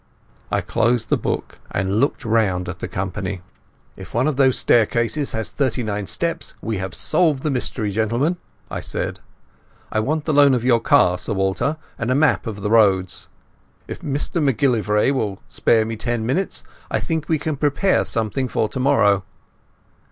I closed the book and looked round at the company. "If one of those staircases has thirty nine steps we have solved the mystery, gentlemen," I said. "I want the loan of your car, Sir Walter, and a map of the roads. If Mr MacGillivray will spare me ten minutes, I think we can prepare something for tomorrow."